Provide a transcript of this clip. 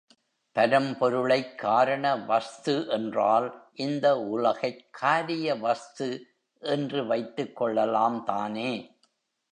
பரம்பொருளைக் காரண வஸ்து என்றால் இந்த உலகைக் காரியவஸ்து என்று வைத்துக் கொள்ளலாம் தானே.